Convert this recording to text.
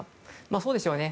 そうでしょうね。